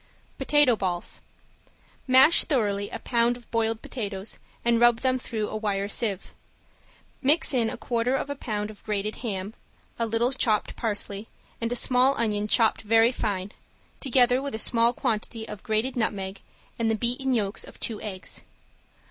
~POTATO BALLS~ Mash thoroughly a pound of boiled potatoes and rub them through a wire sieve. Mix in a quarter of a pound of grated ham, a little chopped parsley, and a small onion chopped very fine, together with a small quantity of grated nutmeg, and the beaten yolks of two eggs.